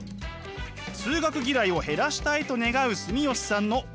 数学嫌いを減らしたいと願う住吉さんのお悩みとは？